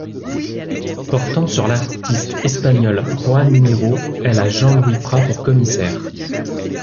Portant sur l'artiste espagnol Joan Miró, elle a Jean-Louis Prat pour commissaire.